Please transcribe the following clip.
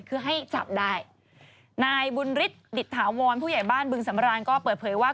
คือให้จับได้นายบุญฤทธิ์ดิตถาวรผู้ใหญ่บ้านบึงสำรานก็เปิดเผยว่า